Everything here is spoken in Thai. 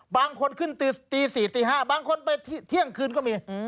บางคนขึ้นตี๔ตี๕บางคนไปเที่ยงคืนก็มี